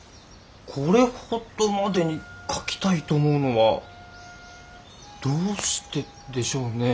これほどまでに描きたいと思うのはどうしてでしょうね？